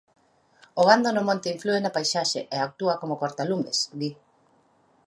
O gando no monte inflúe na paisaxe e actúa como cortalumes, di.